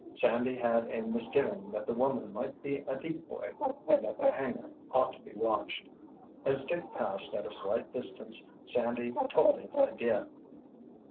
Sandy had a misgiving that the woman might be a decoy and that the hangar ought to be watched. As Dick passed at a slight distance, Sandy told his idea.